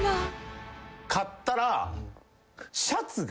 買ったら。